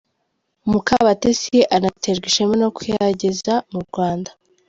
Mukabatesi anaterwa ishema no kuyageza mu Rwanda.